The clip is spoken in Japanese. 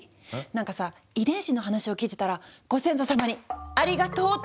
なんかさ遺伝子の話を聞いてたらご先祖さまに「ありがとう」って言いたくなってきちゃって。